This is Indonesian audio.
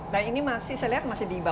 dan ini masih saya lihat di atas tanah ya